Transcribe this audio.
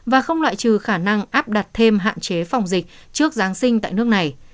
và không loại trừ khả năng áp đặt thêm hạn chế phòng dịch trước giáng sinh tại nước này